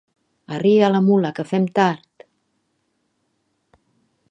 Arria la mula, que fem tard!